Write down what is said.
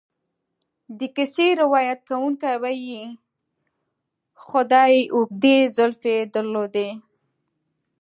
د کیسې روایت کوونکی وایي خدۍ اوږدې زلفې درلودې.